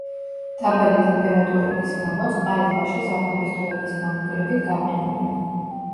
დაბალი ტემპერატურების გამო წყალი ტბაში ზაფხულის თვეების გამოკლებით გაყინულია.